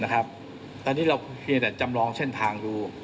ตอนนี้เราเพียงแต่จำลองเส้นทางดู